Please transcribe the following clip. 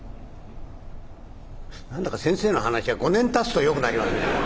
何だか先生の話は５年経つとよくなりますね」。